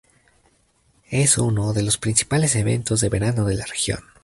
Es uno de los principales eventos de verano de la región.